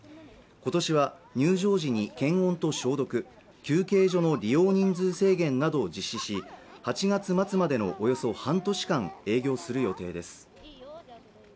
今年は入場時に検温と消毒休憩所の利用人数制限などを実施し８月末までのおよそ半年間営業する予定です